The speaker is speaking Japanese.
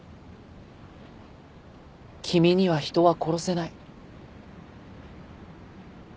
君には人は殺せない。